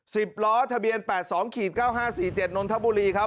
สิบล้อทะเบียนแปดสองขีดเก้าห้าสี่เจ็ดนนทบุรีครับ